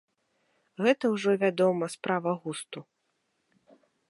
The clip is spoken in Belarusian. Гэта ўжо, вядома, справа густу.